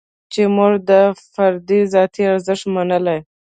چې موږ د فرد ذاتي ارزښت منلی.